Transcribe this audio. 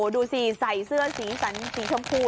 ดูสิใส่เสื้อสีสันสีชมพู